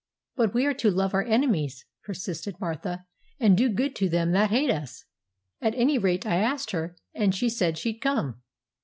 'But we are to love our enemies,' persisted Martha, 'and do good to them that hate us. At any rate I asked her, and she said she'd come.'